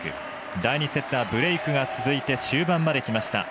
第２セットはブレークが続いて終盤まできました。